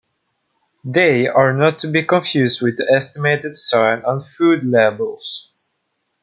They are not to be confused with the estimated sign on food labels.